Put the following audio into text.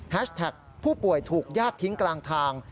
แท็กผู้ป่วยถูกญาติทิ้งกลางทาง